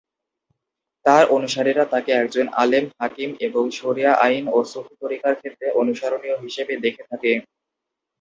তার অনুসারীরা তাকে একজন আলেম, হাকিম এবং শরিয়া আইন ও সুফি তরিকার ক্ষেত্রে অনুসরণীয় হিসেবে দেখে থাকে।